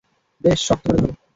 বেশ, শক্ত করে ধরো।